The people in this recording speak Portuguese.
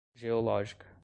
geológica